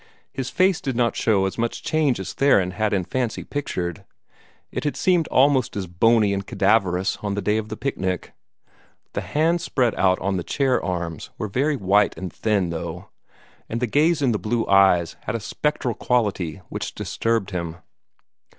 His face did not show as much change as Theron had in fancy pictured. It had seemed almost as bony and cadaverous on the day of the picnic. The hands spread out on the chair arms were very white and thin, though, and the gaze in the blue eyes had a spectral quality which disturbed him.